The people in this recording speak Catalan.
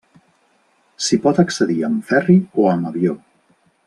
S'hi pot accedir amb ferri o amb avió.